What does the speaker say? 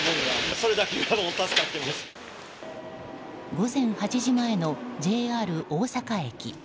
午前８時前のＪＲ大阪駅。